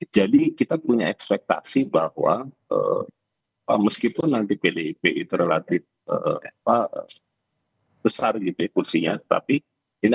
jadi kita punya ekspektasi bahwa meskipun nanti pdip itu relatif besar di devulsinya tapi ini